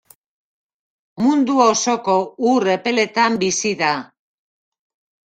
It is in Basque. Mundu osoko ur epeletan bizi da.